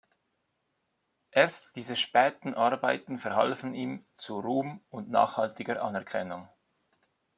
Erst diese späten Arbeiten verhalfen ihm zu Ruhm und nachhaltiger Anerkennung.